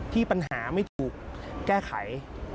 ที่ปัญหาไม่ถูกแก้ไข